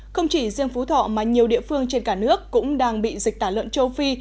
không chỉ riêng phú thọ mà nhiều địa phương trên cả nước cũng đang bị dịch tả lợn châu phi